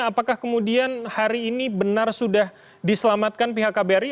apakah kemudian hari ini benar sudah diselamatkan pihak kbri